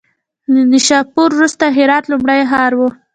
له نیشاپور وروسته هرات لومړی ښار و.